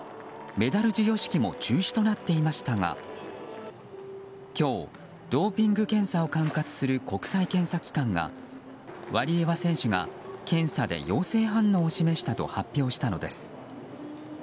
メダル授与式も中止となっていましたが今日、ドーピング検査を管轄する国際検査機関がワリエワ選手が検査で陽性反応を示したと発表したのです。